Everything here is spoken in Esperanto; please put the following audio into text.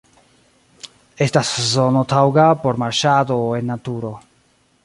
Estas zono taŭga por marŝado en naturo.